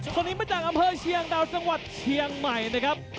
คนนี้มาจากอำเภอเชียงดาวจังหวัดเชียงใหม่นะครับ